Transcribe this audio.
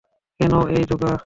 কেন এই ধোকা?